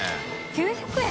９００円？